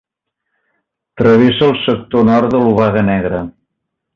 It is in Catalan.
Travessa el sector nord de l'Obaga Negra.